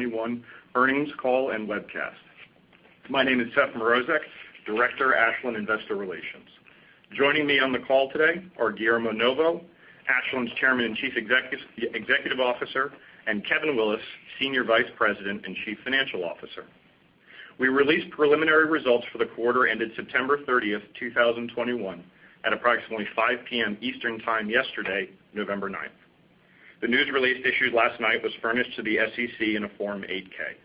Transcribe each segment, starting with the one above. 2021 earnings call and webcast. My name is Seth Mrozek, Director of Investor Relations, Ashland. Joining me on the call today are Guillermo Novo, Ashland's Chairman and Chief Executive Officer, and Kevin Willis, Senior Vice President and Chief Financial Officer. We released preliminary results for the quarter ended September 30th, 2021 at approximately 5:00 P.M. Eastern Time yesterday, November 9th. The news release issued last night was furnished to the SEC in a Form 8-K.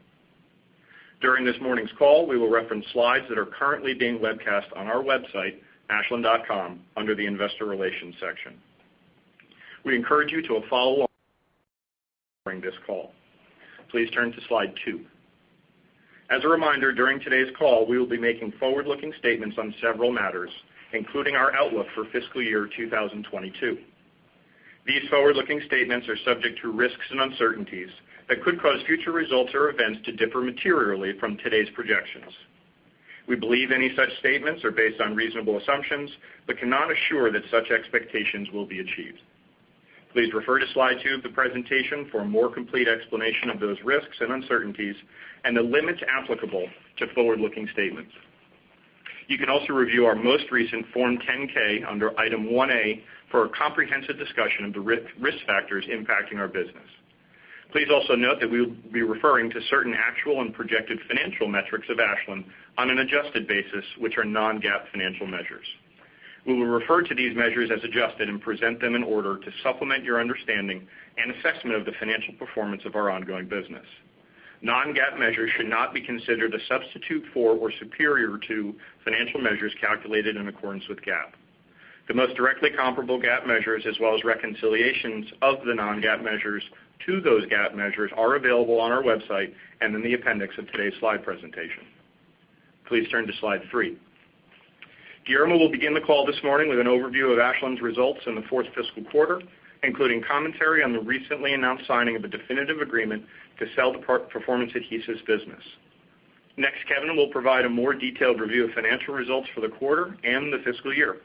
During this morning's call, we will reference slides that are currently being webcast on our website, ashland.com, under the Investor Relations section. We encourage you to follow during this call. Please turn to slide two. As a reminder, during today's call, we will be making forward-looking statements on several matters, including our outlook for fiscal year 2022. These forward-looking statements are subject to risks and uncertainties that could cause future results or events to differ materially from today's projections. We believe any such statements are based on reasonable assumptions, but cannot assure that such expectations will be achieved. Please refer to slide two of the presentation for a more complete explanation of those risks and uncertainties, and the limits applicable to forward-looking statements. You can also review our most recent Form 10-K under Item 1A for a comprehensive discussion of the risk factors impacting our business. Please also note that we will be referring to certain actual and projected financial metrics of Ashland on an adjusted basis, which are non-GAAP financial measures. We will refer to these measures as adjusted and present them in order to supplement your understanding and assessment of the financial performance of our ongoing business. Non-GAAP measures should not be considered a substitute for or superior to financial measures calculated in accordance with GAAP. The most directly comparable GAAP measures, as well as reconciliations of the non-GAAP measures to those GAAP measures, are available on our website and in the appendix of today's slide presentation. Please turn to slide three. Guillermo will begin the call this morning with an overview of Ashland's results in the fourth fiscal quarter, including commentary on the recently announced signing of the definitive agreement to sell the Performance Adhesives business. Next, Kevin will provide a more detailed review of financial results for the quarter and the fiscal year.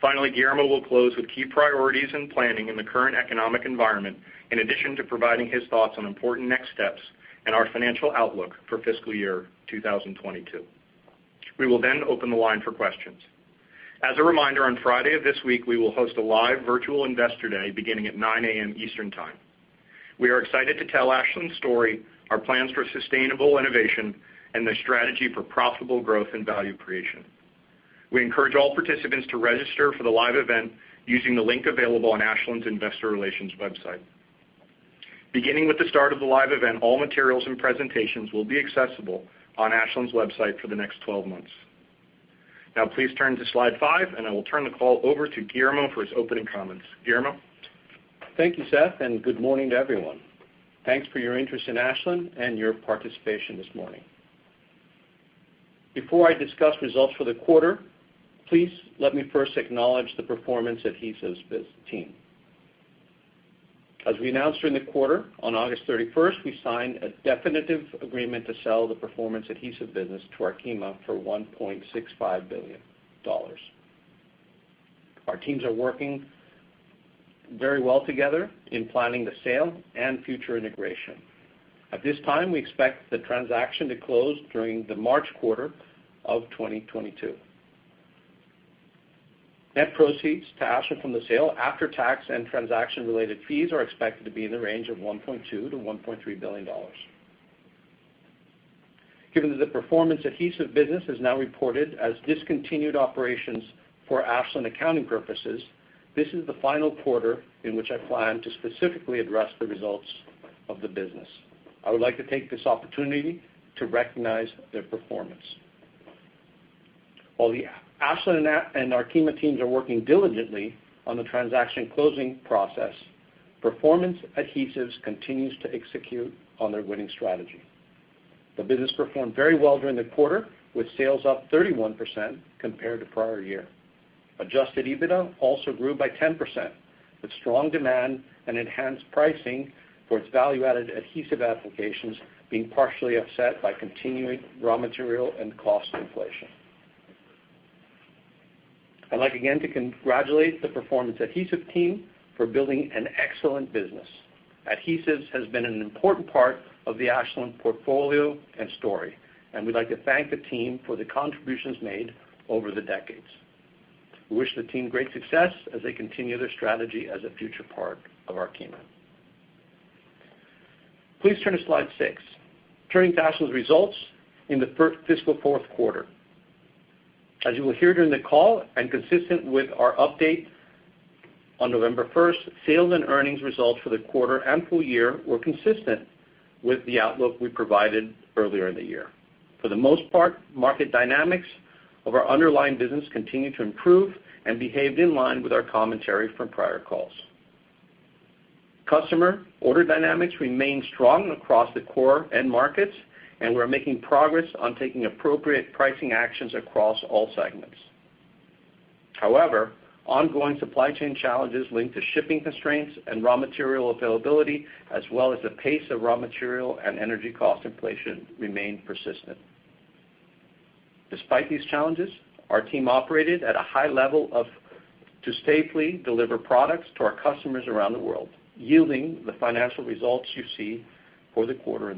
Finally, Guillermo will close with key priorities and planning in the current economic environment, in addition to providing his thoughts on important next steps and our financial outlook for fiscal year 2022. We will then open the line for questions. As a reminder, on Friday of this week, we will host a live virtual Investor Day beginning at 9:00 A.M. Eastern Time. We are excited to tell Ashland's story, our plans for sustainable innovation, and the strategy for profitable growth and value creation. We encourage all participants to register for the live event using the link available on Ashland's Investor Relations website. Beginning with the start of the live event, all materials and presentations will be accessible on Ashland's website for the next 12 months. Now please turn to slide five, and I will turn the call over to Guillermo for his opening comments. Guillermo? Thank you, Seth, and good morning to everyone. Thanks for your interest in Ashland and your participation this morning. Before I discuss results for the quarter, please let me first acknowledge the Performance Adhesives business team. As we announced during the quarter, on August 31st, we signed a definitive agreement to sell the Performance Adhesives business to Arkema for $1.65 billion. Our teams are working very well together in planning the sale and future integration. At this time, we expect the transaction to close during the March quarter of 2022. Net proceeds to Ashland from the sale, after tax and transaction-related fees, are expected to be in the range of $1.2 billion to $1.3 billion. Given that the Performance Adhesives business is now reported as discontinued operations for Ashland accounting purposes, this is the final quarter in which I plan to specifically address the results of the business. I would like to take this opportunity to recognize their performance. While the Ashland and Arkema teams are working diligently on the transaction closing process, Performance Adhesives continues to execute on their winning strategy. The business performed very well during the quarter, with sales up 31% compared to prior year. Adjusted EBITDA also grew by 10%, with strong demand and enhanced pricing for its value-added adhesive applications being partially offset by continuing raw material and cost inflation. I'd like again to congratulate the Performance Adhesives team for building an excellent business. Adhesives has been an important part of the Ashland portfolio and story, and we'd like to thank the team for the contributions made over the decades. We wish the team great success as they continue their strategy as a future part of Arkema. Please turn to slide six. Turning to Ashland's results in the fiscal fourth quarter. As you will hear during the call, and consistent with our update on November first, sales and earnings results for the quarter and full year were consistent with the outlook we provided earlier in the year. For the most part, market dynamics of our underlying business continued to improve and behaved in line with our commentary from prior calls. Customer order dynamics remained strong across the core end markets, and we're making progress on taking appropriate pricing actions across all segments. However, ongoing supply chain challenges linked to shipping constraints and raw material availability, as well as the pace of raw material and energy cost inflation remained persistent. Despite these challenges, our team operated at a high level to safely deliver products to our customers around the world, yielding the financial results you see for the quarter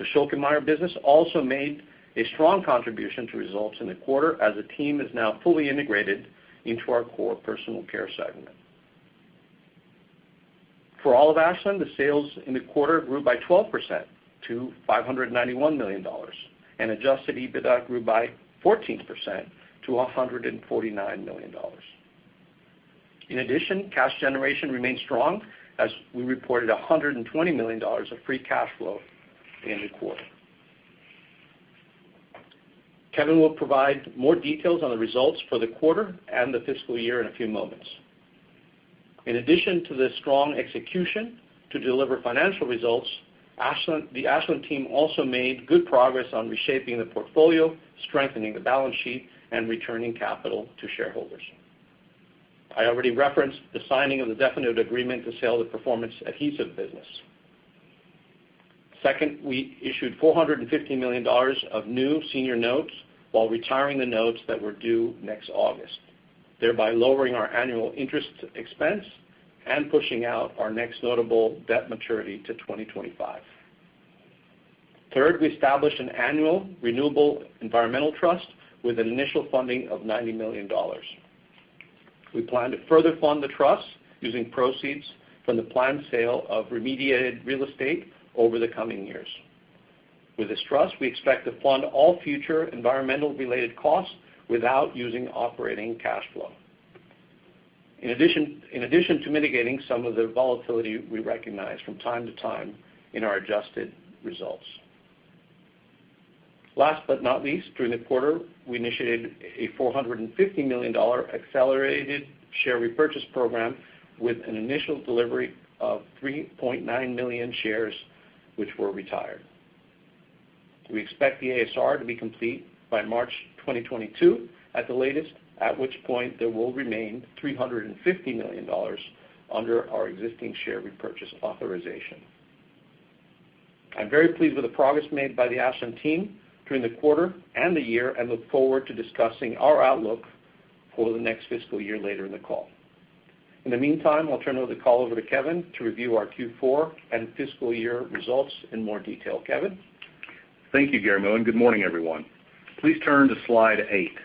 and the year. The Schülke & Mayr business also made a strong contribution to results in the quarter as the team is now fully integrated into our core Personal Care segment. For all of Ashland, the sales in the quarter grew by 12% to $591 million, and adjusted EBITDA grew by 14% to $149 million. In addition, cash generation remained strong as we reported $120 million of free cash flow in the quarter. Kevin will provide more details on the results for the quarter and the fiscal year in a few moments. In addition to the strong execution to deliver financial results, Ashland, the Ashland team also made good progress on reshaping the portfolio, strengthening the balance sheet, and returning capital to shareholders. I already referenced the signing of the definitive agreement to sell the Performance Adhesives business. Second, we issued $450 million of new senior notes while retiring the notes that were due next August, thereby lowering our annual interest expense and pushing out our next notable debt maturity to 2025. Third, we established an annual Renewable Environmental Trust with an initial funding of $90 million. We plan to further fund the trust using proceeds from the planned sale of remediated real estate over the coming years. With this trust, we expect to fund all future environmental-related costs without using operating cash flow, in addition to mitigating some of the volatility we recognize from time to time in our adjusted results. Last but not least, during the quarter, we initiated a $450 million accelerated share repurchase program with an initial delivery of 3.9 million shares, which were retired. We expect the ASR to be complete by March 2022 at the latest, at which point there will remain $350 million under our existing share repurchase authorization. I'm very pleased with the progress made by the Ashland team during the quarter and the year, and look forward to discussing our outlook for the next fiscal year later in the call. In the meantime, I'll turn over the call to Kevin to review our Q4 and fiscal year results in more detail. Kevin? Thank you, Guillermo, and good morning, everyone. Please turn to slide eight.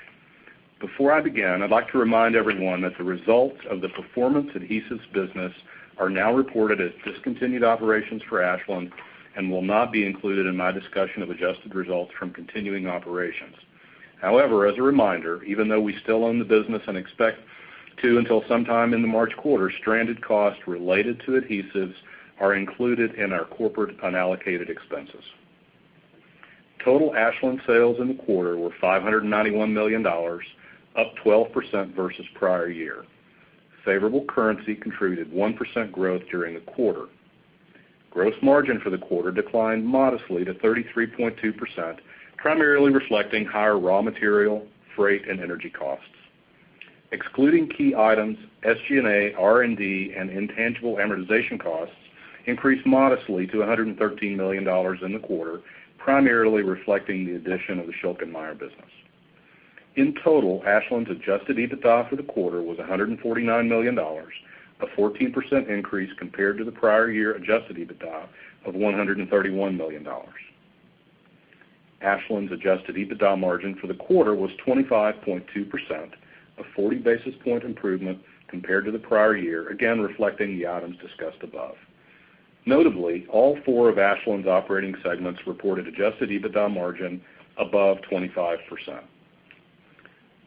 Before I begin, I'd like to remind everyone that the results of the Performance Adhesives business are now reported as discontinued operations for Ashland and will not be included in my discussion of adjusted results from continuing operations. However, as a reminder, even though we still own the business and expect to until sometime in the March quarter, stranded costs related to adhesives are included in our corporate unallocated expenses. Total Ashland sales in the quarter were $591 million, up 12% versus prior year. Favorable currency contributed 1% growth during the quarter. Gross margin for the quarter declined modestly to 33.2%, primarily reflecting higher raw material, freight, and energy costs. Excluding key items, SG&A, R&D, and intangible amortization costs increased modestly to $113 million in the quarter, primarily reflecting the addition of the Schülke & Mayr business. In total, Ashland's adjusted EBITDA for the quarter was $149 million, a 14% increase compared to the prior year adjusted EBITDA of $131 million. Ashland's adjusted EBITDA margin for the quarter was 25.2%, a 40 basis point improvement compared to the prior year, again, reflecting the items discussed above. Notably, all four of Ashland's operating segments reported adjusted EBITDA margin above 25%.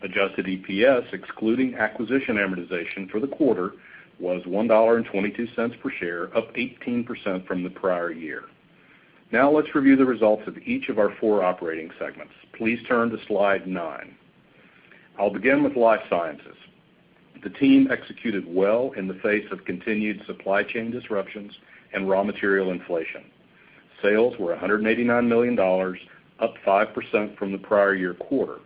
Adjusted EPS, excluding acquisition amortization for the quarter, was $1.22 per share, up 18% from the prior year. Now let's review the results of each of our four operating segments. Please turn to slide nine. I'll begin with Life Sciences. The team executed well in the face of continued supply chain disruptions and raw material inflation. Sales were $189 million, up 5% from the prior year quarter.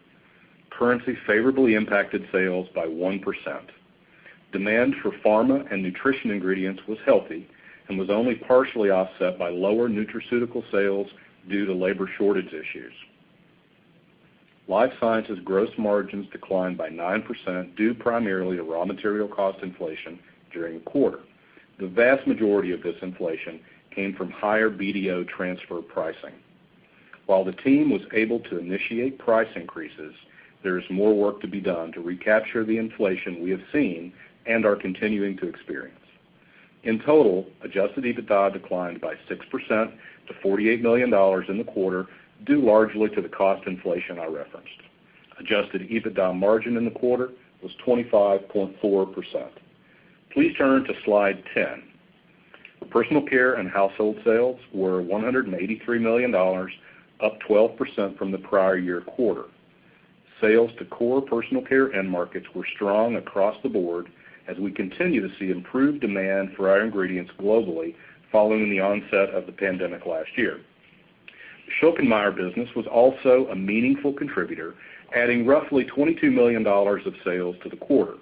Currency favorably impacted sales by 1%. Demand for pharma and nutrition ingredients was healthy and was only partially offset by lower nutraceutical sales due to labor shortage issues. Life Sciences gross margins declined by 9%, due primarily to raw material cost inflation during the quarter. The vast majority of this inflation came from higher BDO transfer pricing. While the team was able to initiate price increases, there is more work to be done to recapture the inflation we have seen and are continuing to experience. In total, adjusted EBITDA declined by 6% to $48 million in the quarter, due largely to the cost inflation I referenced. Adjusted EBITDA margin in the quarter was 25.4%. Please turn to slide 10. Personal care and household sales were $183 million, up 12% from the prior year quarter. Sales to core personal care end markets were strong across the board as we continue to see improved demand for our ingredients globally following the onset of the pandemic last year. The Schülke & Mayr business was also a meaningful contributor, adding roughly $22 million of sales to the quarter.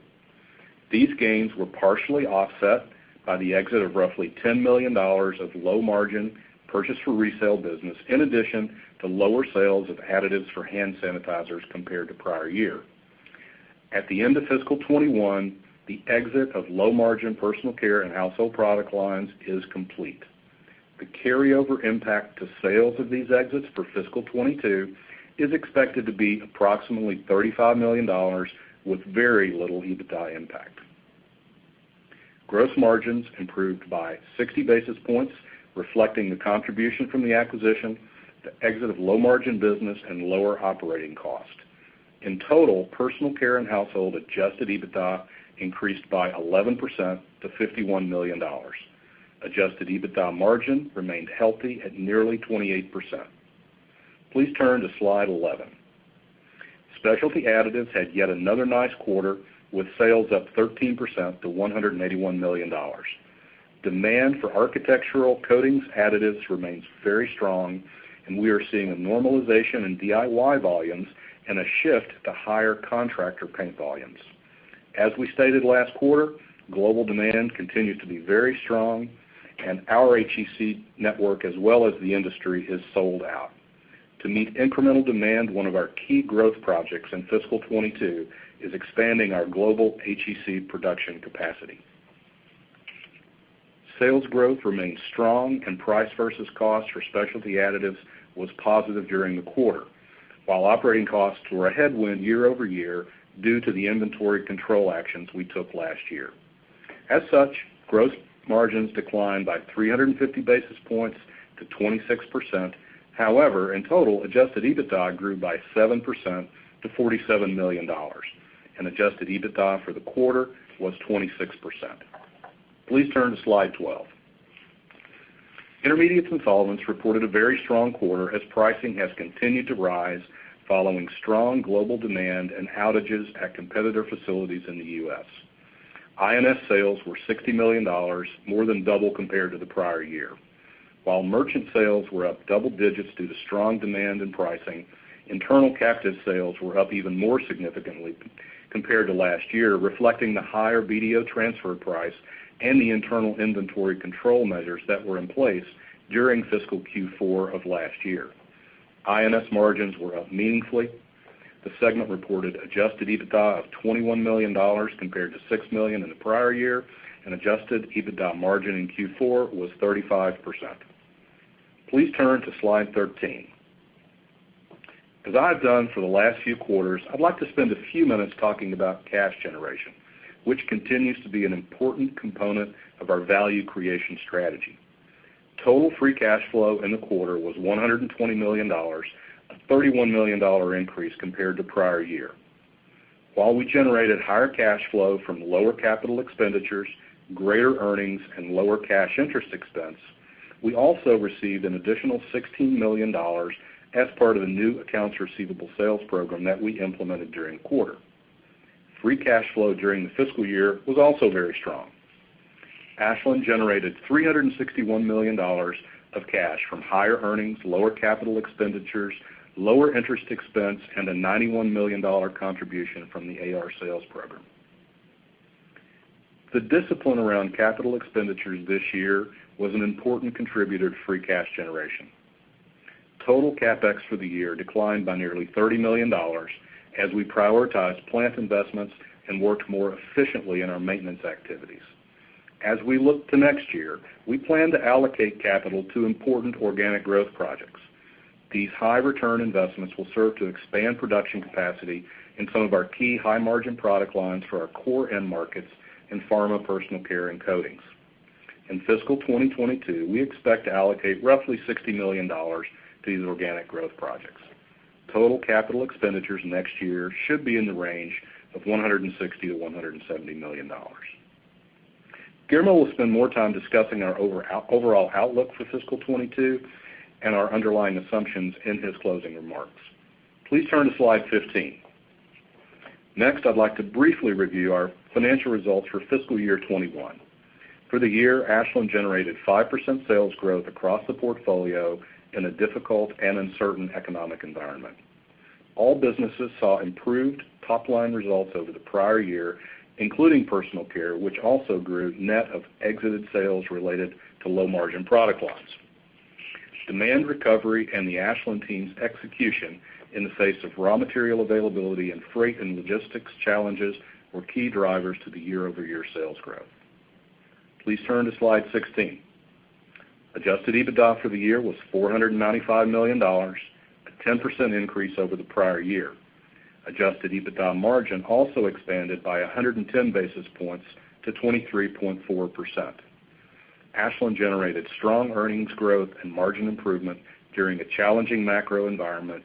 These gains were partially offset by the exit of roughly $10 million of low margin purchase for resale business, in addition to lower sales of additives for hand sanitizers compared to prior year. At the end of fiscal 2021, the exit of low margin personal care and household product lines is complete. The carryover impact to sales of these exits for fiscal 2022 is expected to be approximately $35 million with very little EBITDA impact. Gross margins improved by 60 basis points, reflecting the contribution from the acquisition, the exit of low margin business and lower operating cost. In total, Personal Care and Household adjusted EBITDA increased by 11% to $51 million. Adjusted EBITDA margin remained healthy at nearly 28%. Please turn to slide 11. Specialty Additives had yet another nice quarter, with sales up 13% to $181 million. Demand for architectural coatings additives remains very strong, and we are seeing a normalization in DIY volumes and a shift to higher contractor paint volumes. As we stated last quarter, global demand continues to be very strong and our HEC network as well as the industry has sold out. To meet incremental demand, one of our key growth projects in fiscal 2022 is expanding our global HEC production capacity. Sales growth remained strong and price versus cost for Specialty Additives was positive during the quarter, while operating costs were a headwind year-over-year due to the inventory control actions we took last year. As such, gross margins declined by 350 basis points to 26%. However, in total, adjusted EBITDA grew by 7% to $47 million and adjusted EBITDA for the quarter was 26%. Please turn to slide 12. Intermediates and Solvents reported a very strong quarter as pricing has continued to rise following strong global demand and outages at competitor facilities in the U.S. INS sales were $60 million, more than double compared to the prior year. While merchant sales were up double digits due to strong demand in pricing, internal captive sales were up even more significantly compared to last year, reflecting the higher BDO transfer price and the internal inventory control measures that were in place during fiscal Q4 of last year. INS margins were up meaningfully. The segment reported adjusted EBITDA of $21 million compared to $6 million in the prior year, and adjusted EBITDA margin in Q4 was 35%. Please turn to slide 13. As I've done for the last few quarters, I'd like to spend a few minutes talking about cash generation, which continues to be an important component of our value creation strategy. Total free cash flow in the quarter was $120 million, a $31 million increase compared to prior year. While we generated higher cash flow from lower capital expenditures, greater earnings, and lower cash interest expense, we also received an additional $16 million as part of the new accounts receivable sales program that we implemented during the quarter. Free cash flow during the fiscal year was also very strong. Ashland generated $361 million of cash from higher earnings, lower capital expenditures, lower interest expense, and a $91 million contribution from the AR sales program. The discipline around capital expenditures this year was an important contributor to free cash generation. Total CapEx for the year declined by nearly $30 million as we prioritized plant investments and worked more efficiently in our maintenance activities. As we look to next year, we plan to allocate capital to important organic growth projects. These high return investments will serve to expand production capacity in some of our key high margin product lines for our core end markets in pharma, Personal Care, and coatings. In fiscal 2022, we expect to allocate roughly $60 million to these organic growth projects. Total capital expenditures next year should be in the range of $160 million to $170 million. Guillermo will spend more time discussing our overall outlook for fiscal 2022 and our underlying assumptions in his closing remarks. Please turn to slide 15. Next, I'd like to briefly review our financial results for fiscal year 2021. For the year, Ashland generated 5% sales growth across the portfolio in a difficult and uncertain economic environment. All businesses saw improved top-line results over the prior year, including Personal Care, which also grew net of exited sales related to low-margin product lines. Demand recovery and the Ashland team's execution in the face of raw material availability and freight and logistics challenges were key drivers to the year-over-year sales growth. Please turn to slide 16. Adjusted EBITDA for the year was $495 million, a 10% increase over the prior year. Adjusted EBITDA margin also expanded by 110 basis points to 23.4%. Ashland generated strong earnings growth and margin improvement during a challenging macro environment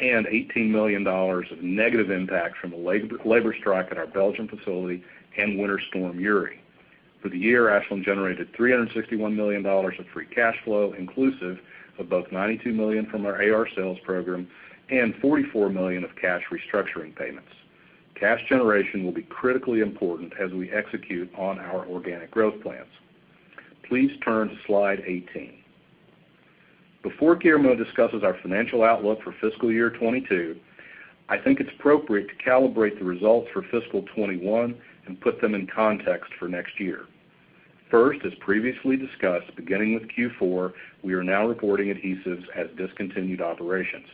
and $18 million of negative impact from a labor strike at our Belgian facility and Winter Storm Uri. For the year, Ashland generated $361 million of free cash flow, inclusive of both $92 million from our AR sales program and $44 million of cash restructuring payments. Cash generation will be critically important as we execute on our organic growth plans. Please turn to slide 18. Before Guillermo discusses our financial outlook for fiscal year 2022, I think it's appropriate to calibrate the results for fiscal 2021 and put them in context for next year. First, as previously discussed, beginning with Q4, we are now reporting adhesives as discontinued operations.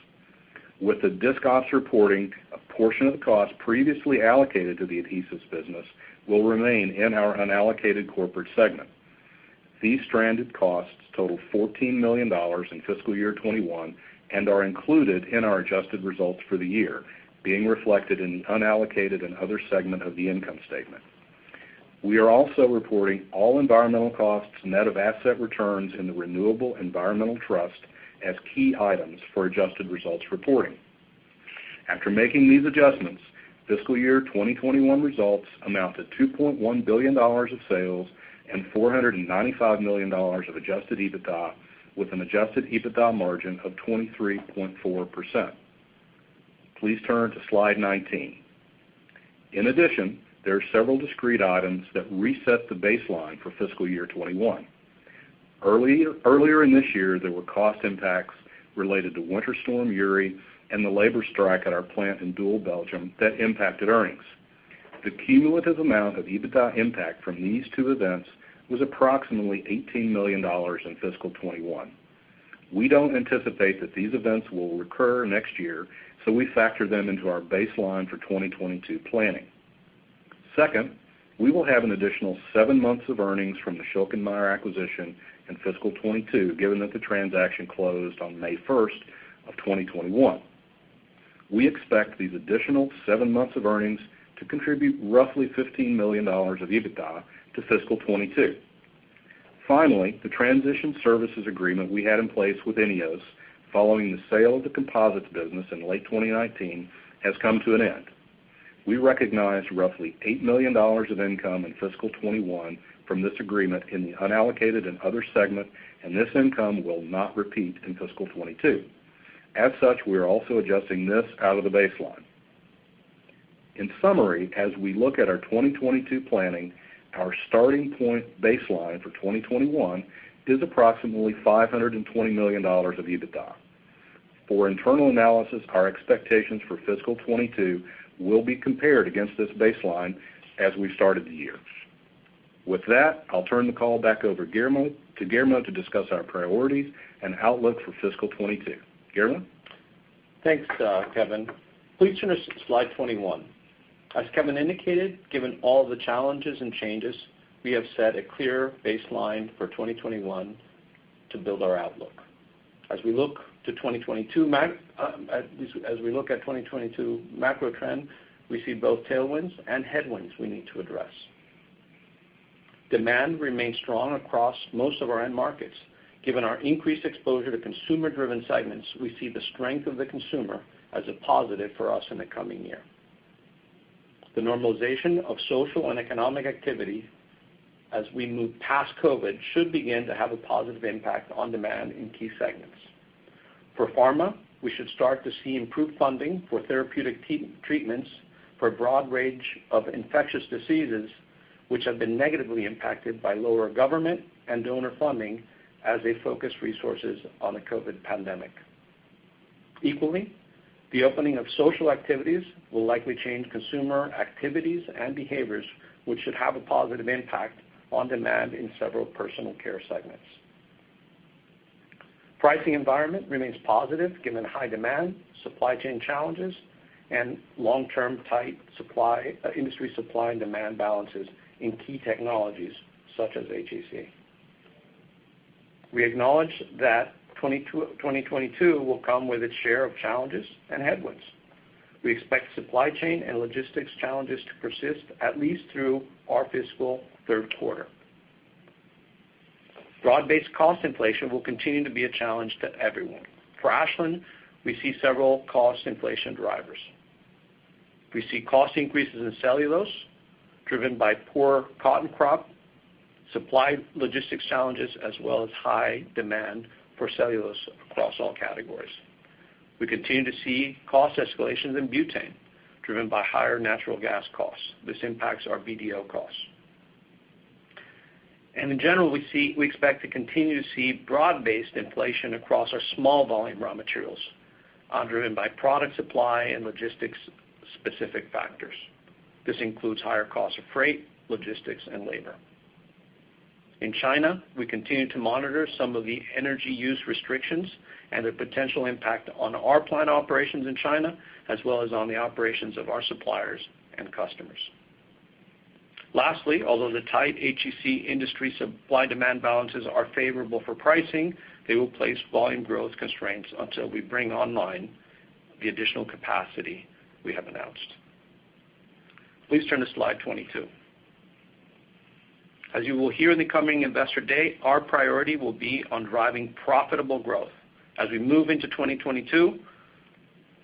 With the disc ops reporting, a portion of the cost previously allocated to the adhesives business will remain in our unallocated corporate segment. These stranded costs total $14 million in fiscal year 2021 and are included in our adjusted results for the year, being reflected in the unallocated and other segment of the income statement. We are also reporting all environmental costs net of asset returns in the Renewable Environmental Trust as key items for adjusted results reporting. After making these adjustments, fiscal year 2021 results amount to $2.1 billion of sales and $495 million of adjusted EBITDA, with an adjusted EBITDA margin of 23.4%. Please turn to slide 19. In addition, there are several discrete items that reset the baseline for fiscal year 2021. Earlier in this year, there were cost impacts related to Winter Storm Uri and the labor strike at our plant in Doel, Belgium that impacted earnings. The cumulative amount of EBITDA impact from these two events was approximately $18 million in fiscal 2021. We don't anticipate that these events will recur next year, so we factor them into our baseline for 2022 planning. Second, we will have an additional seven months of earnings from the Schülke & Mayr acquisition in fiscal 2022, given that the transaction closed on May 1st, 2021. We expect these additional seven months of earnings to contribute roughly $15 million of EBITDA to fiscal 2022. Finally, the transition services agreement we had in place with INEOS following the sale of the composites business in late 2019 has come to an end. We recognized roughly $8 million of income in fiscal 2021 from this agreement in the unallocated and other segment, and this income will not repeat in fiscal 2022. As such, we are also adjusting this out of the baseline. In summary, as we look at our 2022 planning, our starting point baseline for 2021 is approximately $520 million of EBITDA. For internal analysis, our expectations for fiscal 2022 will be compared against this baseline as we started the year. With that, I'll turn the call back over to Guillermo to discuss our priorities and outlook for fiscal 2022. Guillermo? Thanks, Kevin. Please turn to slide 21. As Kevin indicated, given all the challenges and changes, we have set a clear baseline for 2021 to build our outlook. As we look at 2022 macro trend, we see both tailwinds and headwinds we need to address. Demand remains strong across most of our end markets. Given our increased exposure to consumer-driven segments, we see the strength of the consumer as a positive for us in the coming year. The normalization of social and economic activity as we move past COVID should begin to have a positive impact on demand in key segments. For pharma, we should start to see improved funding for therapeutic treatments for a broad range of infectious diseases, which have been negatively impacted by lower government and donor funding as they focus resources on the COVID pandemic. Equally, the opening of social activities will likely change consumer activities and behaviors, which should have a positive impact on demand in several Personal Care segments. Pricing environment remains positive given high demand, supply chain challenges, and long-term tight industry supply and demand balances in key technologies such as HEC. We acknowledge that 2022 will come with its share of challenges and headwinds. We expect supply chain and logistics challenges to persist at least through our fiscal third quarter. Broad-based cost inflation will continue to be a challenge to everyone. For Ashland, we see several cost inflation drivers. We see cost increases in cellulose, driven by poor cotton crop, supply logistics challenges, as well as high demand for cellulose across all categories. We continue to see cost escalations in butane, driven by higher natural gas costs. This impacts our BDO costs. In general, we expect to continue to see broad-based inflation across our small volume raw materials, driven by product supply and logistics specific factors. This includes higher costs of freight, logistics, and labor. In China, we continue to monitor some of the energy use restrictions and the potential impact on our plant operations in China, as well as on the operations of our suppliers and customers. Lastly, although the tight HEC industry supply demand balances are favorable for pricing, they will place volume growth constraints until we bring online the additional capacity we have announced. Please turn to slide 22. As you will hear in the coming Investor Day, our priority will be on driving profitable growth. As we move into 2022,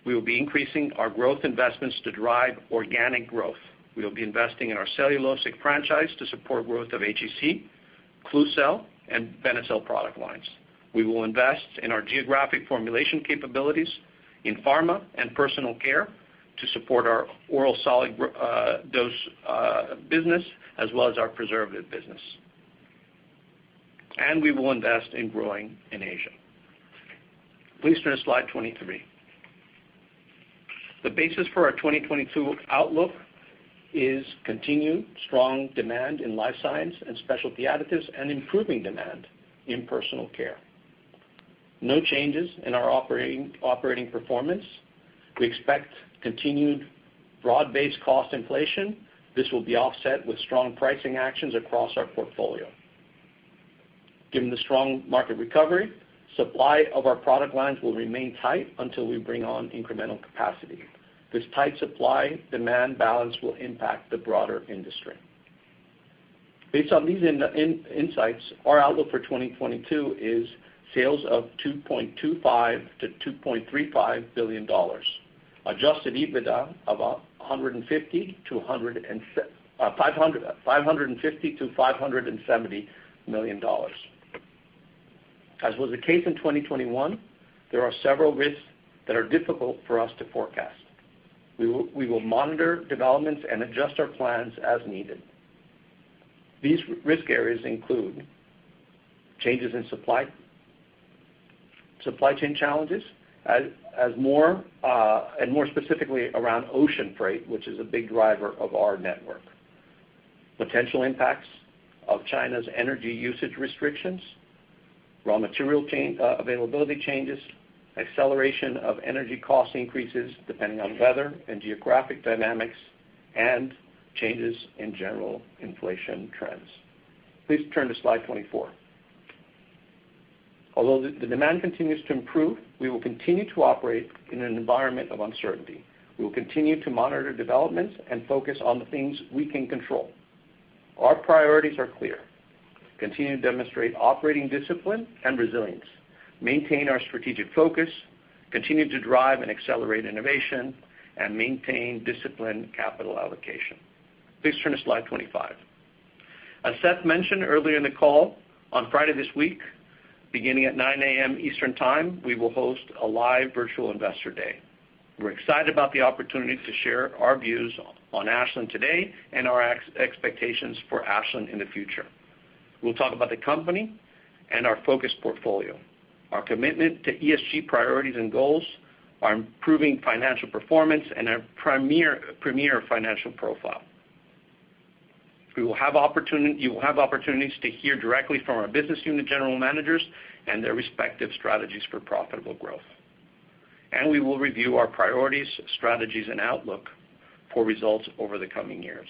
we will be increasing our growth investments to drive organic growth. We will be investing in our cellulosic franchise to support growth of HEC, Klucel, and Benecel product lines. We will invest in our geographic formulation capabilities in pharma and Personal Care to support our oral solid dose business as well as our preservative business. We will invest in growing in Asia. Please turn to slide 23. The basis for our 2022 outlook is continued strong demand in Life Sciences and Specialty Additives and improving demand in Personal Care. No changes in our operating performance. We expect continued broad-based cost inflation. This will be offset with strong pricing actions across our portfolio. Given the strong market recovery, supply of our product lines will remain tight until we bring on incremental capacity. This tight supply-demand balance will impact the broader industry. Based on these insights, our outlook for 2022 is sales of $2.25 billion to $2.35 billion. Adjusted EBITDA of $550 million to $570 million. As was the case in 2021, there are several risks that are difficult for us to forecast. We will monitor developments and adjust our plans as needed. These risk areas include changes in supply chain challenges as more and more specifically around ocean freight, which is a big driver of our network. Potential impacts of China's energy usage restrictions, raw material availability changes, acceleration of energy cost increases depending on weather and geographic dynamics, and changes in general inflation trends. Please turn to slide 24. Although the demand continues to improve, we will continue to operate in an environment of uncertainty. We will continue to monitor developments and focus on the things we can control. Our priorities are clear, continue to demonstrate operating discipline and resilience, maintain our strategic focus, continue to drive and accelerate innovation, and maintain disciplined capital allocation. Please turn to slide 25. As Seth mentioned earlier in the call, on Friday this week, beginning at 9:00 A.M. Eastern Time, we will host a live virtual Investor Day. We're excited about the opportunity to share our views on Ashland today and our expectations for Ashland in the future. We'll talk about the company and our focused portfolio, our commitment to ESG priorities and goals, our improving financial performance, and our premier financial profile. You will have opportunities to hear directly from our business unit general managers and their respective strategies for profitable growth. We will review our priorities, strategies, and outlook for results over the coming years.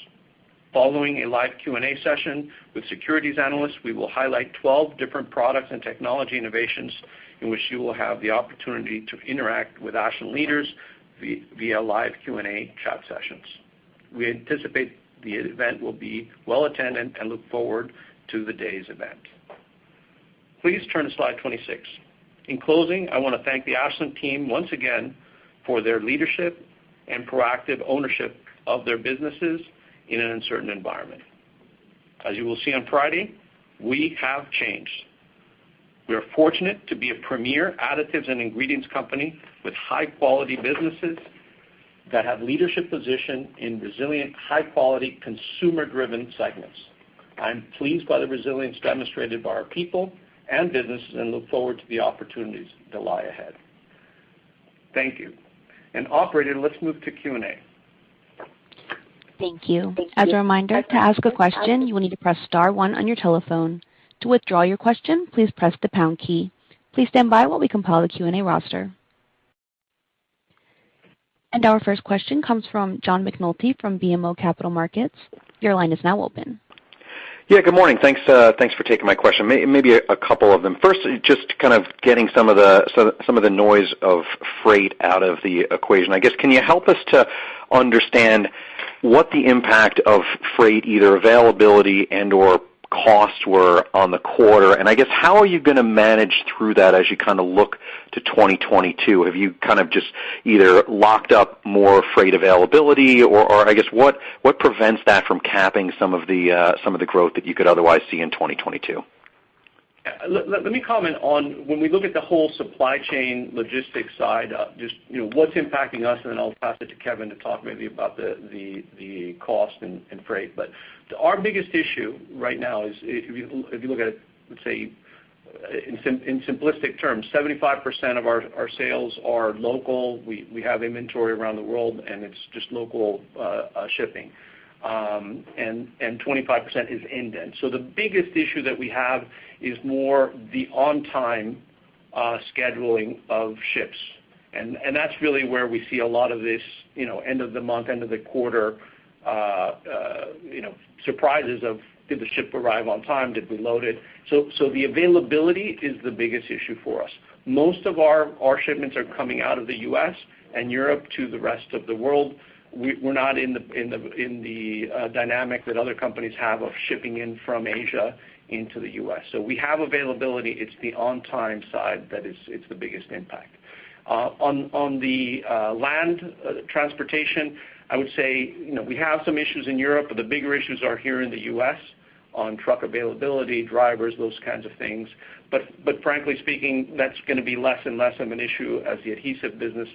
Following a live Q&A session with securities analysts, we will highlight 12 different products and technology innovations in which you will have the opportunity to interact with Ashland leaders via live Q&A chat sessions. We anticipate the event will be well-attended and look forward to the day's event. Please turn to slide 26. In closing, I wanna thank the Ashland team once again for their leadership and proactive ownership of their businesses in an uncertain environment. As you will see on Friday, we have changed. We are fortunate to be a premier additives and ingredients company with high-quality businesses that have leadership position in resilient, high-quality, consumer-driven segments. I'm pleased by the resilience demonstrated by our people and businesses and look forward to the opportunities that lie ahead. Thank you. Operator, let's move to Q&A. Thank you. As a reminder, to ask a question, you will need to press star one on your telephone. To withdraw your question, please press the pound key. Please stand by while we compile the Q&A roster. Our first question comes from John McNulty from BMO Capital Markets. Your line is now open. Yeah, good morning. Thanks for taking my question. Maybe a couple of them. First, just kind of getting some of the noise of freight out of the equation, I guess, can you help us to understand what the impact of freight, either availability and/or cost were on the quarter, and I guess, how are you gonna manage through that as you kinda look to 2022? Have you kind of just either locked up more freight availability or I guess, what prevents that from capping some of the growth that you could otherwise see in 2022? Yeah. Let me comment on when we look at the whole supply chain logistics side, just, you know, what's impacting us, and then I'll pass it to Kevin to talk maybe about the cost and freight. Our biggest issue right now is if you look at it, let's say, in simplistic terms, 75% of our sales are local. We have inventory around the world, and it's just local shipping. And 25% is in transit. The biggest issue that we have is more the on-time scheduling of ships. That's really where we see a lot of this, you know, end of the month, end of the quarter, you know, surprises of did the ship arrive on time? Did we load it? The availability is the biggest issue for us. Most of our shipments are coming out of the U.S. and Europe to the rest of the world. We're not in the dynamic that other companies have of shipping in from Asia into the U.S. We have availability. It's the on-time side that is the biggest impact. On the land transportation, I would say, you know, we have some issues in Europe, but the bigger issues are here in the U.S. On truck availability, drivers, those kinds of things. Frankly speaking, that's gonna be less and less of an issue as the adhesive business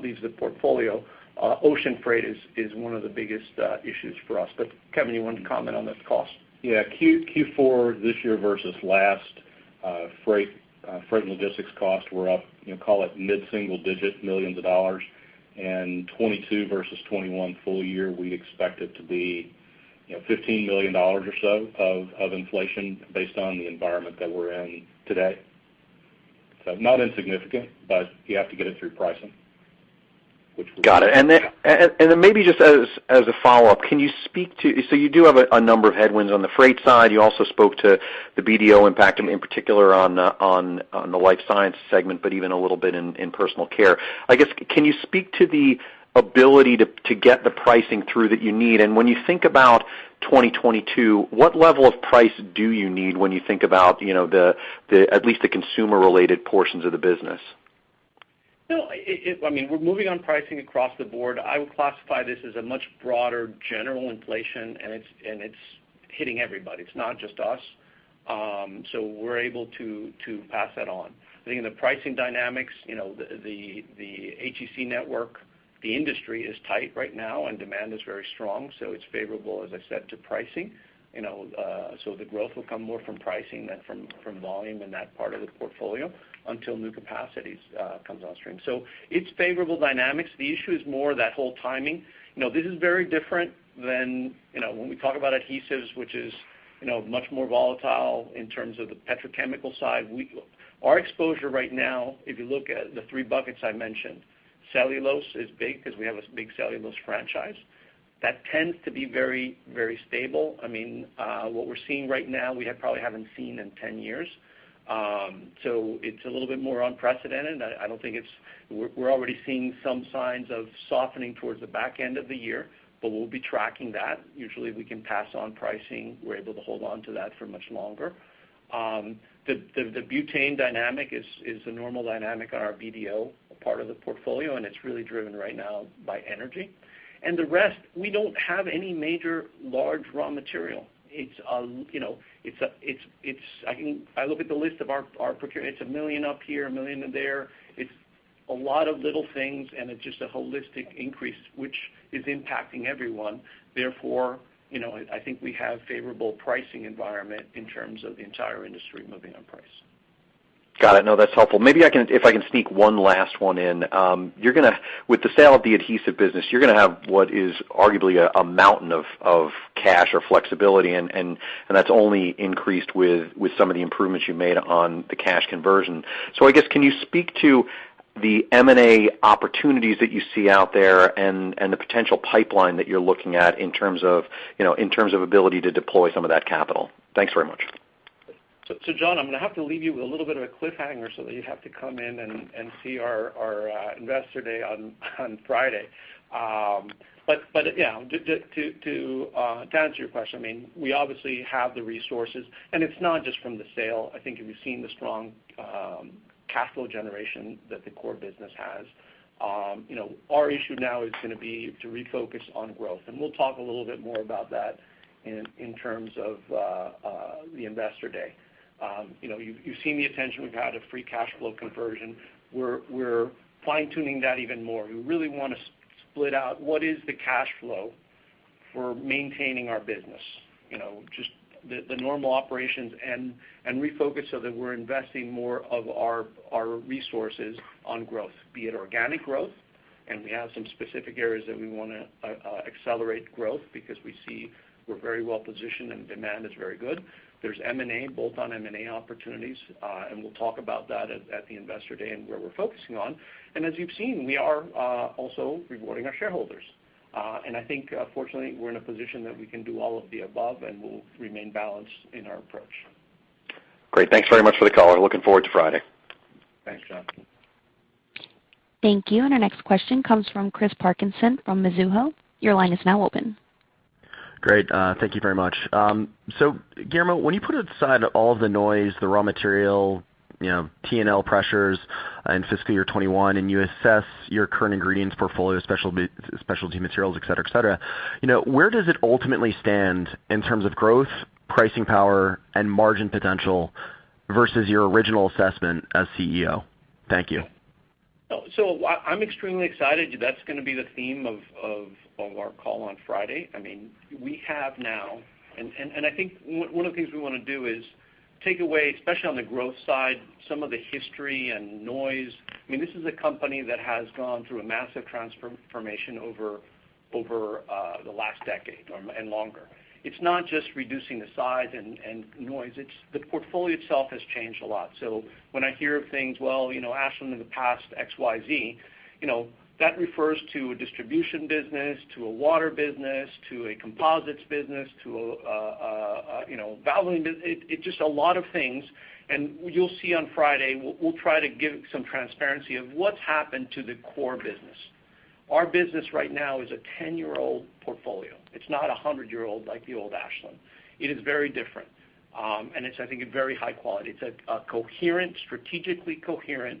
leaves the portfolio. Ocean freight is one of the biggest issues for us. Kevin, you want to comment on this cost? Q4 this year versus last, freight and logistics costs were up, you know, call it mid-single-digit millions of dollars. 2022 versus 2021 full year, we expect it to be, you know, $15 million or so of inflation based on the environment that we're in today. Not insignificant, but you have to get it through pricing, which we- Got it. Maybe just as a follow-up, you do have a number of headwinds on the freight side. You also spoke to the BDO impact, in particular on the Life Sciences segment, but even a little bit in Personal Care. I guess, can you speak to the ability to get the pricing through that you need? When you think about 2022, what level of price do you need when you think about, you know, the at least the consumer-related portions of the business? No, I mean, we're moving on pricing across the board. I would classify this as a much broader general inflation, and it's hitting everybody. It's not just us. We're able to pass that on. I think in the pricing dynamics, you know, the HEC network, the industry is tight right now, and demand is very strong, so it's favorable, as I said, to pricing. You know, the growth will come more from pricing than from volume in that part of the portfolio until new capacities comes on stream. It's favorable dynamics. The issue is more that whole timing. You know, this is very different than, you know, when we talk about adhesives, which is, you know, much more volatile in terms of the petrochemical side. Our exposure right now, if you look at the three buckets I mentioned, cellulose is big because we have a big cellulose franchise. That tends to be very, very stable. I mean, what we're seeing right now, we probably haven't seen in 10 years. It's a little bit more unprecedented. I don't think it's. We're already seeing some signs of softening towards the back end of the year, but we'll be tracking that. Usually, if we can pass on pricing, we're able to hold on to that for much longer. The butane dynamic is a normal dynamic on our BDO part of the portfolio, and it's really driven right now by energy. The rest, we don't have any major large raw material. It's, you know, I look at the list of our procurement. It's $1 million up here, $1 million there. It's a lot of little things, and it's just a holistic increase, which is impacting everyone. Therefore, you know, I think we have favorable pricing environment in terms of the entire industry moving on price. Got it. No, that's helpful. Maybe I can if I can sneak one last one in. You're gonna have what is arguably a mountain of cash or flexibility, and that's only increased with some of the improvements you made on the cash conversion. I guess, can you speak to the M&A opportunities that you see out there and the potential pipeline that you're looking at in terms of, you know, in terms of ability to deploy some of that capital? Thanks very much. John, I'm gonna have to leave you with a little bit of a cliffhanger so that you have to come in and see our Investor Day on Friday. Yeah, to answer your question, I mean, we obviously have the resources, and it's not just from the sale. I think if you've seen the strong cash flow generation that the core business has, you know, our issue now is gonna be to refocus on growth. We'll talk a little bit more about that in terms of the Investor Day. You know, you've seen the attention we've had of free cash flow conversion. We're fine-tuning that even more. We really wanna split out what is the cash flow for maintaining our business. You know, just the normal operations and refocus so that we're investing more of our resources on growth, be it organic growth, and we have some specific areas that we wanna accelerate growth because we see we're very well positioned and demand is very good. There's M&A, bolt-on M&A opportunities, and we'll talk about that at the Investor Day and where we're focusing on. As you've seen, we are also rewarding our shareholders. I think, fortunately, we're in a position that we can do all of the above, and we'll remain balanced in our approach. Great. Thanks very much for the color. Looking forward to Friday. Thanks, John. Thank you. Our next question comes from Chris Parkinson from Mizuho. Your line is now open. Great. Thank you very much. Guillermo, when you put aside all the noise, the raw material, you know, T&L pressures in fiscal year 2021, and you assess your current ingredients portfolio, specialty materials, et cetera, et cetera, you know, where does it ultimately stand in terms of growth, pricing power, and margin potential versus your original assessment as CEO? Thank you. I'm extremely excited. That's gonna be the theme of our call on Friday. I mean, we have now. I think one of the things we wanna do is take away, especially on the growth side, some of the history and noise. I mean, this is a company that has gone through a massive transformation over the last decade or longer. It's not just reducing the size and noise. It's the portfolio itself has changed a lot. When I hear things, well, you know, Ashland in the past, XYZ, you know, that refers to a distribution business, to a water business, to a composites business, you know, it's just a lot of things. You'll see on Friday, we'll try to give some transparency of what's happened to the core business. Our business right now is a ten-year-old portfolio. It's not a hundred-year-old like the old Ashland. It is very different, and it's, I think, a very high quality. It's a coherent, strategically coherent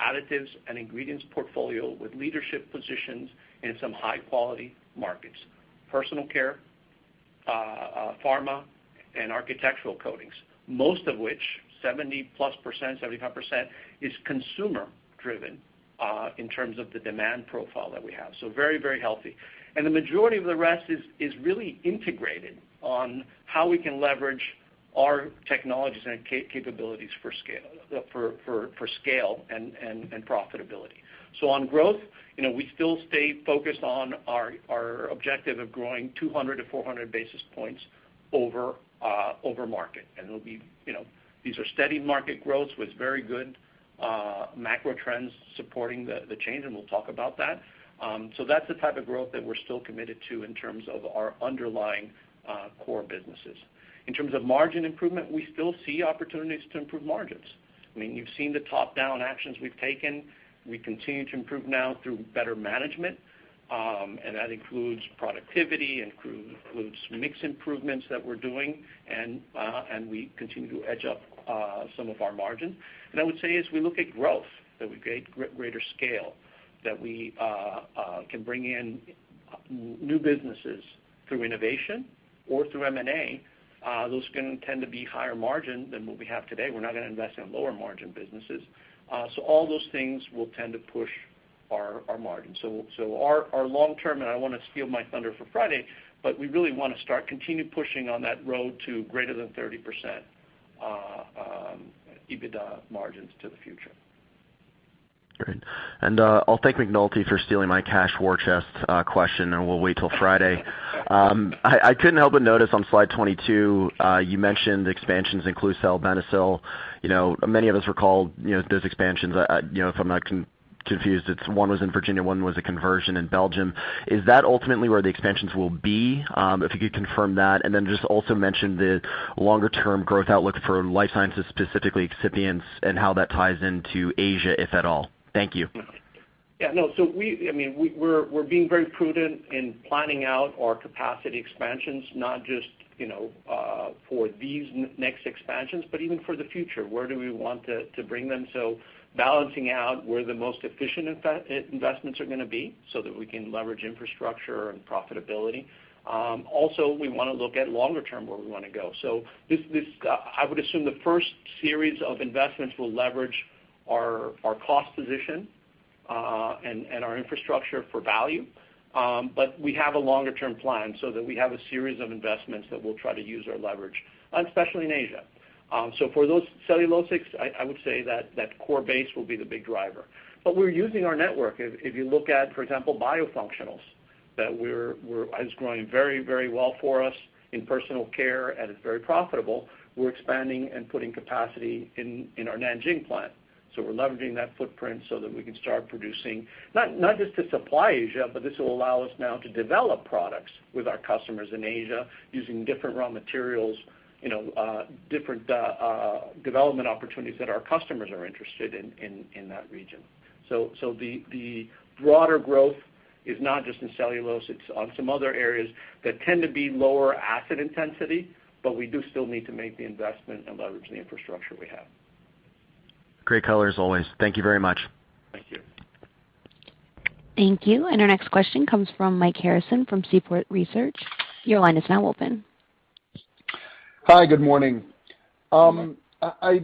additives and ingredients portfolio with leadership positions in some high-quality markets, Personal Care, pharma and architectural coatings, most of which 70%+, 75% is consumer driven, in terms of the demand profile that we have, so very, very healthy. The majority of the rest is really integrated on how we can leverage our technologies and capabilities for scale and profitability. On growth, you know, we still stay focused on our objective of growing 200 basis points to 400 basis points over market. It'll be, you know, these are steady market growths with very good macro trends supporting the change, and we'll talk about that. That's the type of growth that we're still committed to in terms of our underlying core businesses. In terms of margin improvement, we still see opportunities to improve margins. I mean, you've seen the top-down actions we've taken. We continue to improve now through better management, and that includes productivity, includes mix improvements that we're doing, and we continue to edge up some of our margin. I would say as we look at growth, that we create greater scale, that we can bring in new businesses through innovation or through M&A, those can tend to be higher margin than what we have today. We're not gonna invest in lower margin businesses. All those things will tend to push our margin. Our long-term, and I don't wanna steal my thunder for Friday, but we really wanna continue pushing on that road to greater than 30% EBITDA margins to the future. Great. I'll thank McNulty for stealing my cash war chest question, and we'll wait till Friday. I couldn't help but notice on slide 22, you mentioned expansions in Klucel and Benecel. You know, many of us recall, you know, those expansions. You know, if I'm not confused, it's one was in Virginia, one was a conversion in Belgium. Is that ultimately where the expansions will be? If you could confirm that, and then just also mention the longer-term growth outlook for Life Sciences, specifically excipients and how that ties into Asia, if at all. Thank you. Yeah, no. I mean, we're being very prudent in planning out our capacity expansions, not just, you know, for these next expansions, but even for the future, where do we want to bring them. Balancing out where the most efficient investments are gonna be so that we can leverage infrastructure and profitability. Also, we wanna look at longer term where we wanna go. This, I would assume the first series of investments will leverage our cost position and our infrastructure for value. We have a longer-term plan so that we have a series of investments that we'll try to use our leverage, and especially in Asia. For those cellulosics, I would say that core base will be the big driver. We're using our network. If you look at, for example, biofunctionals, it's growing very well for us in Personal Care, and it's very profitable. We're expanding and putting capacity in our Nanjing plant. We're leveraging that footprint so that we can start producing, not just to supply Asia, but this will allow us now to develop products with our customers in Asia using different raw materials, you know, different development opportunities that our customers are interested in that region. The broader growth is not just in cellulose, it's on some other areas that tend to be lower asset intensity, but we do still need to make the investment and leverage the infrastructure we have. Great colors as always. Thank you very much. Thank you. Thank you. Our next question comes from Mike Harrison from Seaport Research. Your line is now open. Hi, good morning. I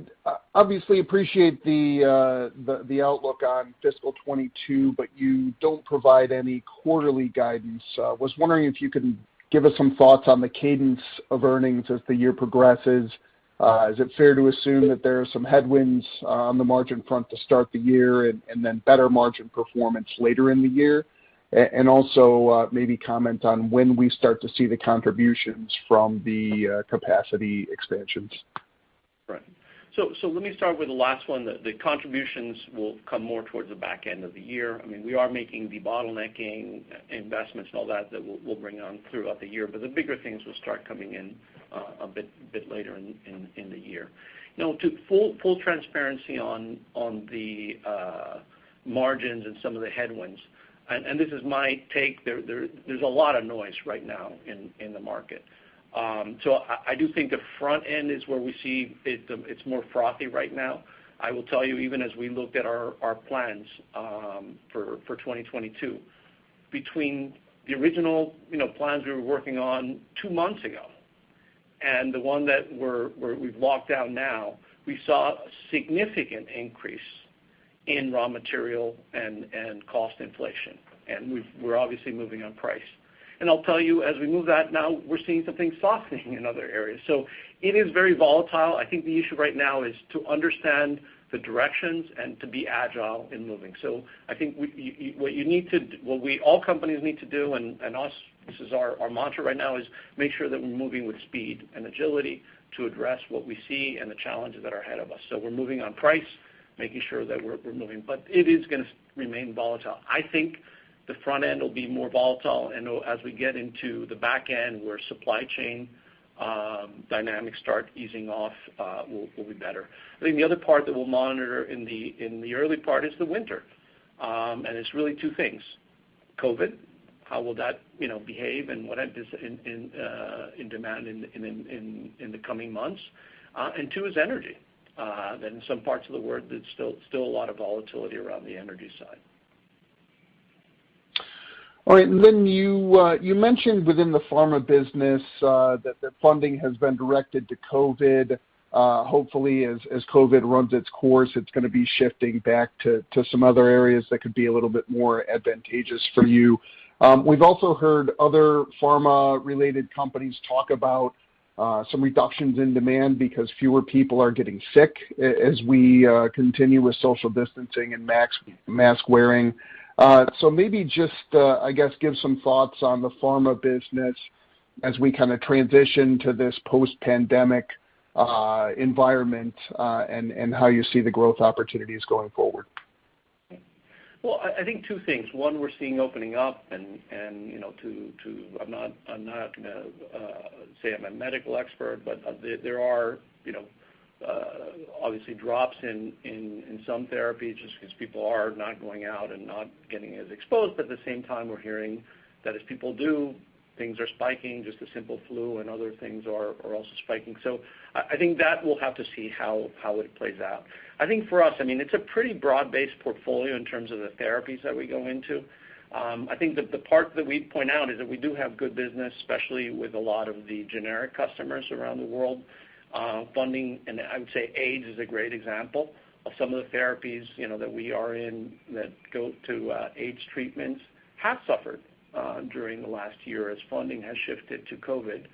obviously appreciate the outlook on fiscal 2022, but you don't provide any quarterly guidance. I was wondering if you can give us some thoughts on the cadence of earnings as the year progresses. Is it fair to assume that there are some headwinds on the margin front to start the year and then better margin performance later in the year? Also, maybe comment on when we start to see the contributions from the capacity expansions. Right. Let me start with the last one. The contributions will come more towards the back end of the year. I mean, we are making the bottlenecking investments and all that that we'll bring on throughout the year, but the bigger things will start coming in a bit later in the year. Now, to full transparency on the margins and some of the headwinds, and this is my take, there's a lot of noise right now in the market. I do think the front end is where we see it's more frothy right now. I will tell you, even as we looked at our plans for 2022, between the original, you know, plans we were working on two months ago and the one that we've locked down now, we saw a significant increase in raw material and cost inflation, and we're obviously moving on price. I'll tell you, as we move that now, we're seeing some things softening in other areas. It is very volatile. I think the issue right now is to understand the directions and to be agile in moving. I think what all companies need to do, and us, this is our mantra right now, is make sure that we're moving with speed and agility to address what we see and the challenges that are ahead of us. We're moving on price, making sure that we're moving, but it is gonna remain volatile. I think the front end will be more volatile, and as we get into the back end where supply chain dynamics start easing off, we'll be better. I think the other part that we'll monitor in the early part is the winter, and it's really two things. COVID, how will that, you know, behave and what demand is in the coming months. Two is energy. Some parts of the world, there's still a lot of volatility around the energy side. All right. Then you mentioned within the pharma business that the funding has been directed to COVID. Hopefully, as COVID runs its course, it's gonna be shifting back to some other areas that could be a little bit more advantageous for you. We've also heard other pharma-related companies talk about some reductions in demand because fewer people are getting sick as we continue with social distancing and mask-wearing. Maybe just, I guess, give some thoughts on the pharma business as we kinda transition to this post-pandemic environment, and how you see the growth opportunities going forward. Well, I think two things. One, we're seeing opening up and, you know, I'm not saying I'm a medical expert, but there are, you know, obviously drops in some therapies just 'cause people are not going out and not getting as exposed. But at the same time, we're hearing that as people do, things are spiking, just the simple flu and other things are also spiking. I think that we'll have to see how it plays out. I think for us, I mean, it's a pretty broad-based portfolio in terms of the therapies that we go into. I think the part that we point out is that we do have good business, especially with a lot of the generic customers around the world. I would say AIDS is a great example of some of the therapies, you know, that we are in that go to AIDS treatments have suffered during the last year as funding has shifted to COVID.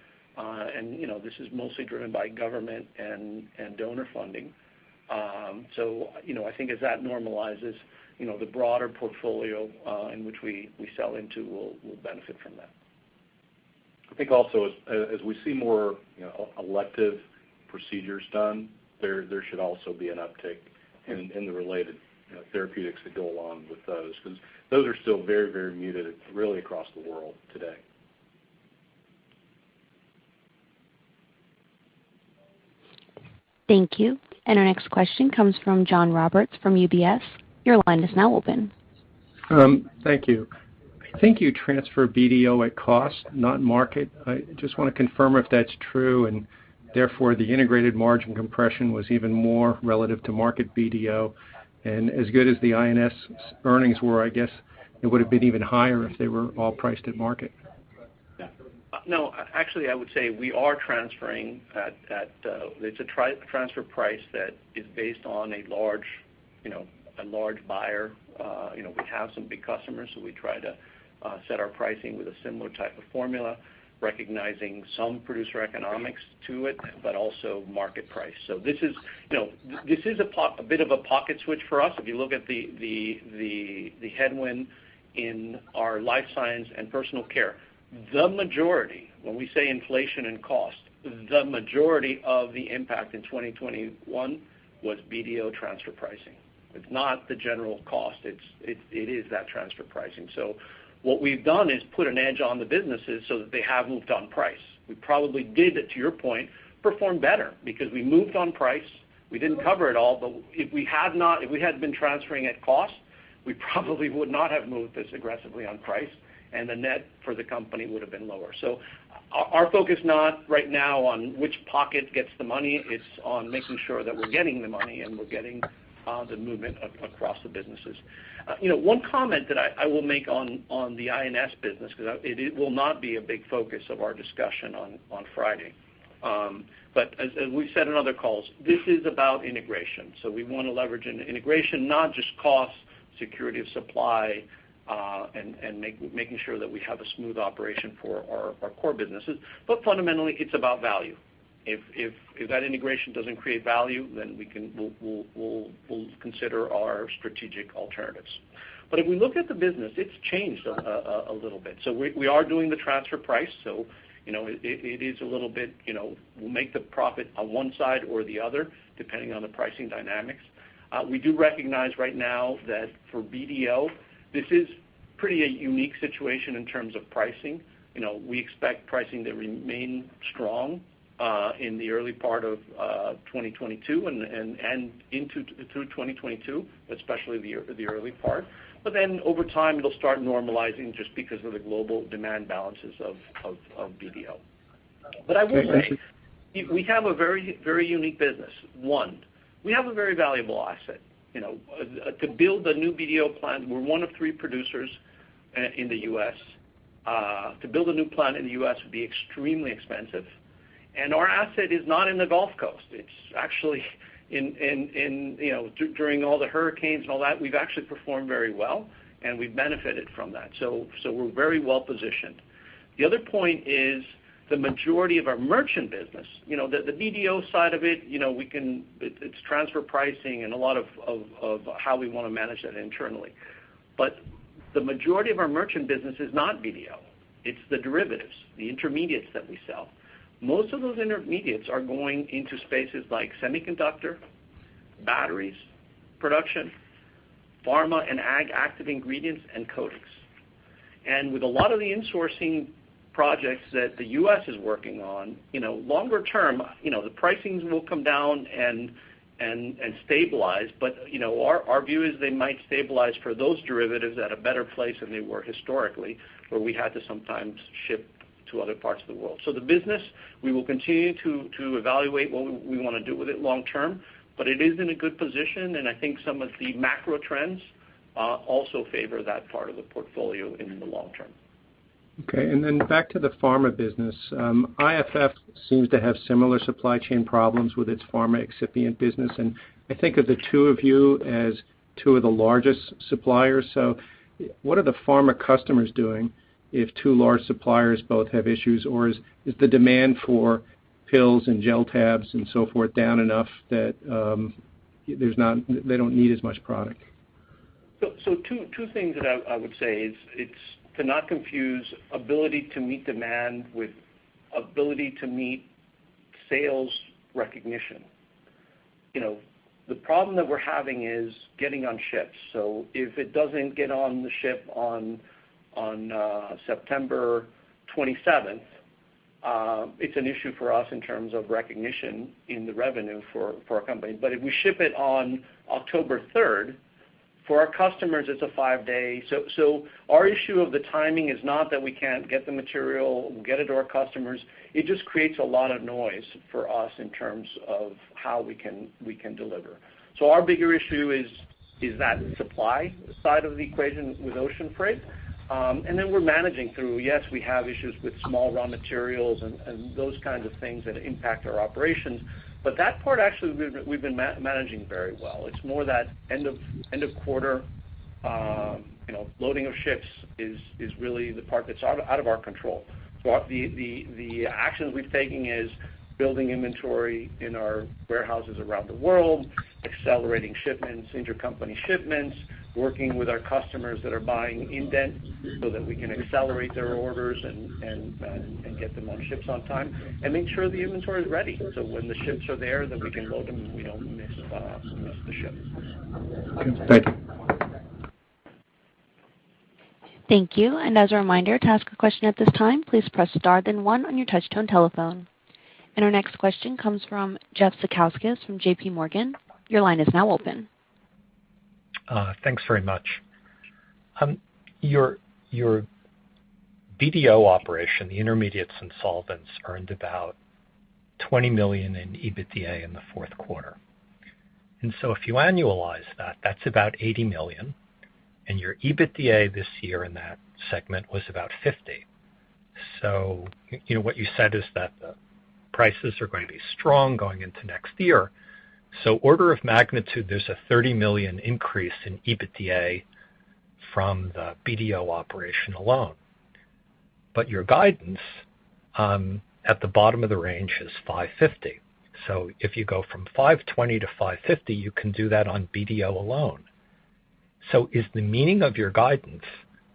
You know, this is mostly driven by government and donor funding. You know, I think as that normalizes, you know, the broader portfolio in which we sell into will benefit from that. I think also as we see more, you know, elective procedures done, there should also be an uptick in the related, you know, therapeutics that go along with those. 'Cause those are still very muted really across the world today. Thank you. Our next question comes from John Roberts from UBS. Your line is now open. Thank you. I think you transfer BDO at cost, not market. I just wanna confirm if that's true, and therefore, the integrated margin compression was even more relative to market BDO. As good as the INS earnings were, I guess it would have been even higher if they were all priced at market. Actually, I would say we are transferring at. It's a third-party transfer price that is based on a large buyer. We have some big customers, so we try to set our pricing with a similar type of formula, recognizing some producer economics to it, but also market price. This is a bit of a pocket switch for us. If you look at the headwind in our Life Sciences and Personal Care, the majority. When we say inflation and cost, the majority of the impact in 2021 was BDO transfer pricing. It's not the general cost, it's that transfer pricing. What we've done is put a hedge on the businesses so that they have moved on price. We probably did it, to your point, perform better because we moved on price. We didn't cover it all, but if we hadn't been transferring at cost, we probably would not have moved this aggressively on price, and the net for the company would have been lower. Our focus is not right now on which pocket gets the money. It's on making sure that we're getting the money and we're getting the movement across the businesses. You know, one comment that I will make on the INS business, 'cause it will not be a big focus of our discussion on Friday. As we've said in other calls, this is about integration. We want to leverage integration, not just cost, security of supply, and making sure that we have a smooth operation for our core businesses. Fundamentally, it's about value. If that integration doesn't create value, then we'll consider our strategic alternatives. If we look at the business, it's changed a little bit. We are doing the transfer price, so you know, it is a little bit, you know, we'll make the profit on one side or the other, depending on the pricing dynamics. We do recognize right now that for BDO, this is pretty unique situation in terms of pricing. You know, we expect pricing to remain strong in the early part of 2022 and through 2022, especially the early part. Over time, it'll start normalizing just because of the global demand balances of BDO. I will say, we have a very unique business. One, we have a very valuable asset. You know, to build a new BDO plant, we're one of three producers in the U.S. To build a new plant in the U.S. would be extremely expensive. Our asset is not in the Gulf Coast. It's actually in you know, during all the hurricanes and all that, we've actually performed very well, and we've benefited from that. So we're very well-positioned. The other point is the majority of our merchant business, you know, the BDO side of it, you know, it's transfer pricing and a lot of how we wanna manage that internally. The majority of our merchant business is not BDO. It's the derivatives, the intermediates that we sell. Most of those intermediates are going into spaces like semiconductor, battery production, pharma and ag active ingredients, and coatings. With a lot of the insourcing projects that the U.S. is working on, you know, longer term, you know, the pricing will come down and stabilize. You know, our view is they might stabilize for those derivatives at a better place than they were historically, where we had to sometimes ship to other parts of the world. The business, we will continue to evaluate what we wanna do with it long term, but it is in a good position, and I think some of the macro trends also favor that part of the portfolio in the long term. Okay. Back to the pharma business. IFF seems to have similar supply chain problems with its pharma excipient business, and I think of the two of you as two of the largest suppliers. What are the pharma customers doing if two large suppliers both have issues, or is the demand for pills and gel tabs and so forth down enough that there's not, they don't need as much product? Two things that I would say. It's to not confuse ability to meet demand with ability to meet sales recognition. You know, the problem that we're having is getting on ships. If it doesn't get on the ship on September twenty-seventh, it's an issue for us in terms of recognition in the revenue for our company. But if we ship it on October third, for our customers, it's a five-day. Our issue of the timing is not that we can't get the material to our customers. It just creates a lot of noise for us in terms of how we can deliver. Our bigger issue is that supply side of the equation with ocean freight. We're managing through. Yes, we have issues with small raw materials and those kinds of things that impact our operations, but that part actually we've been managing very well. It's more that end of quarter, you know, loading of ships is really the part that's out of our control. The action we're taking is building inventory in our warehouses around the world, accelerating shipments, intercompany shipments, working with our customers that are buying indent so that we can accelerate their orders and get them on ships on time and make sure the inventory is ready, so when the ships are there, then we can load them, and we don't miss the ships. Okay. Thank you. Our next question comes from Jeff Zekauskas from J.P. Morgan. Your line is now open. Thanks very much. Your BDO operation, the Intermediates and Solvents, earned about $20 million in EBITDA in the fourth quarter. If you annualize that's about $80 million, and your EBITDA this year in that segment was about $50 million. You know, what you said is that the prices are going to be strong going into next year. Order of magnitude, there's a $30 million increase in EBITDA from the BDO operation alone. Your guidance at the bottom of the range is $550 million. If you go from $520 million to $550 million, you can do that on BDO alone. Is the meaning of your guidance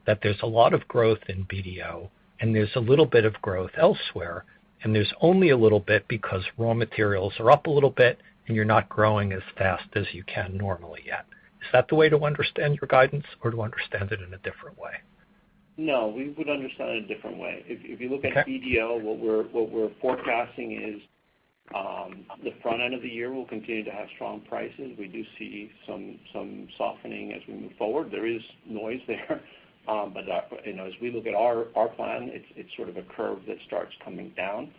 that there's a lot of growth in BDO and there's a little bit of growth elsewhere, and there's only a little bit because raw materials are up a little bit, and you're not growing as fast as you can normally yet? Is that the way to understand your guidance or to understand it in a different way? No, we would understand it a different way. Okay. If you look at BDO, what we're forecasting is the front end of the year, we'll continue to have strong prices. We do see some softening as we move forward. There is noise there. That, you know, as we look at our plan, it's sort of a curve that starts coming down.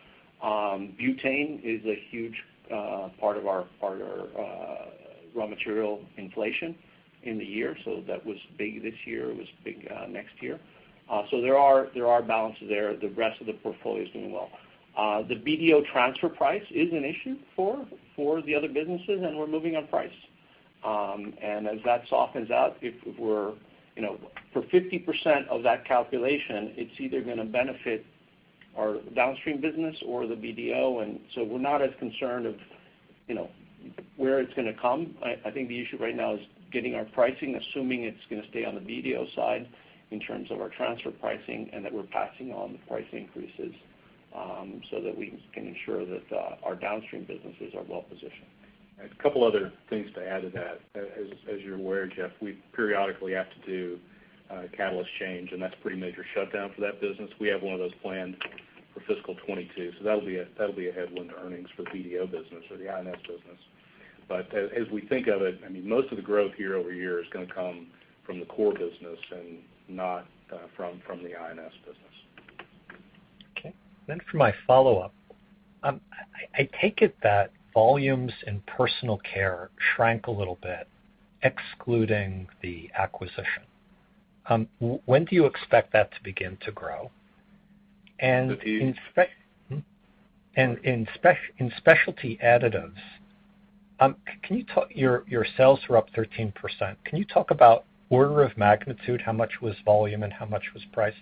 Butane is a huge part of our raw material inflation in the year. That was big this year. It was big next year. There are balances there. The rest of the portfolio is doing well. The BDO transfer price is an issue for the other businesses, and we're moving on price. As that softens out, if we're, you know, for 50% of that calculation, it's either gonna benefit our downstream business or the BDO. We're not as concerned, you know, where it's gonna come. I think the issue right now is getting our pricing, assuming it's gonna stay on the BDO side in terms of our transfer pricing, and that we're passing on the price increases, so that we can ensure that our downstream businesses are well-positioned. A couple other things to add to that. As you're aware, Jeff, we periodically have to do a catalyst change, and that's pretty major shutdown for that business. We have one of those planned for fiscal 2022, so that'll be a headwind to earnings for the BDO business or the INS business. As we think of it, I mean, most of the growth year-over-year is gonna come from the core business and not from the INS business. Okay. For my follow-up, I take it that volumes in Personal Care shrank a little bit, excluding the acquisition. When do you expect that to begin to grow? And in spec- The- In Specialty Additives, your sales were up 13%. Can you talk about order of magnitude, how much was volume and how much was price?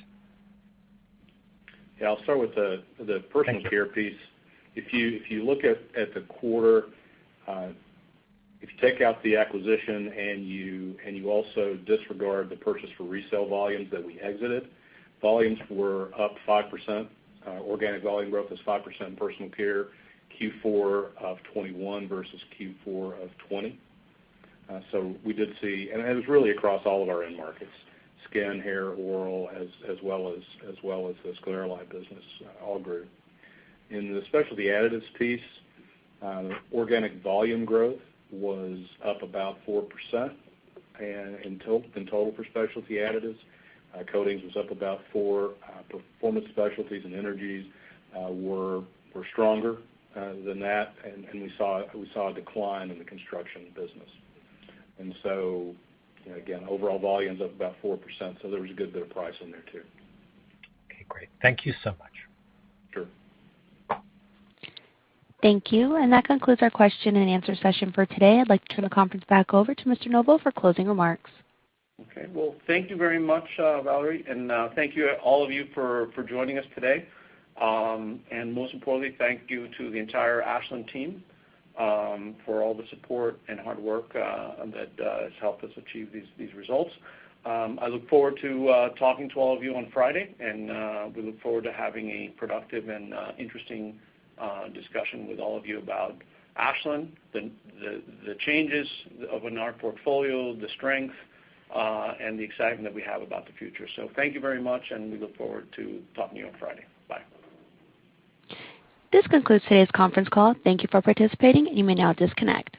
Yeah, I'll start with the Personal Care piece. Thank you. If you look at the quarter, if you take out the acquisition and you also disregard the purchase for resale volumes that we exited, volumes were up 5%. Organic volume growth was 5% Personal Care, Q4 of 2021 versus Q4 of 2020. So we did see it was really across all of our end markets. Skin, hair, oral, as well as the Avoca business all grew. In the Specialty Additives piece, organic volume growth was up about 4% and in total for Specialty Additives. Coatings was up about 4%. Performance specialties and energies were stronger than that. We saw a decline in the construction business. You know, again, overall volume's up about 4%, so there was a good bit of price in there too. Okay, great. Thank you so much. Sure. Thank you. That concludes our question and answer session for today. I'd like to turn the conference back over to Mr. Novo for closing remarks. Okay. Well, thank you very much, Valerie, and thank you all of you for joining us today. Most importantly, thank you to the entire Ashland team for all the support and hard work that has helped us achieve these results. I look forward to talking to all of you on Friday, and we look forward to having a productive and interesting discussion with all of you about Ashland, the changes in our portfolio, the strength, and the excitement that we have about the future. Thank you very much, and we look forward to talking to you on Friday. Bye. This concludes today's conference call. Thank you for participating. You may now disconnect.